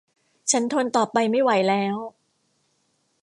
ฉันทนต่อไปไม่ไหวแล้ว